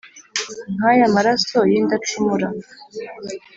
nk’ayo maraso y’indacumura